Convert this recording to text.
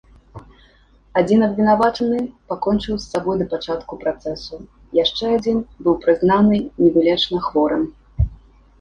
Адзін абвінавачаны пакончыў з сабой да пачатку працэсу, яшчэ адзін быў прызнаны невылечна хворым.